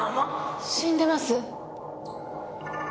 死んでます。